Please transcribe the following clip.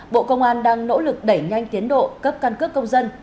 bộ công an đang nỗ lực đẩy nhanh tiến độ cấp căn cước công dân